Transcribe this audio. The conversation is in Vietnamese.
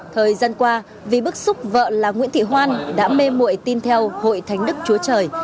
thời gian qua vì bức xúc vợ là nguyễn thị hoan đã mê mụi tin theo hội thánh đức chúa trời